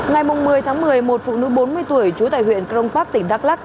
ngày một mươi tháng một mươi một phụ nữ bốn mươi tuổi trú tại huyện crong park tỉnh đắk lắc